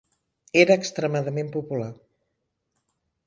Era extremadament popular.